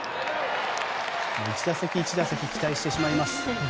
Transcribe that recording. １打席、１打席期待してしまいます。